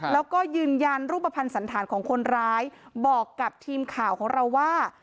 แล้วก็ยืนยันรูปภัณฑ์สันธารของคนร้ายบอกกับทีมข่าวของเราว่า